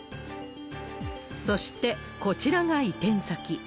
そして、こちらが移転先。